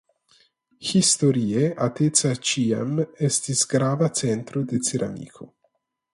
Historie Ateca ĉiam estis grava centro de ceramiko.